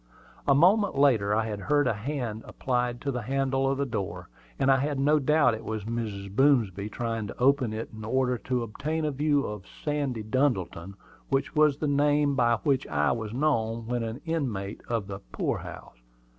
A moment later I heard a hand applied to the handle of the door, and I had no doubt it was Mrs. Boomsby trying to open it in order to obtain a view of "Sandy Duddleton," which was the name by which I was known when an inmate of the poor house.